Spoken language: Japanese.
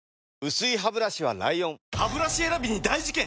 薄いハブラシは ＬＩＯＮハブラシ選びに大事件！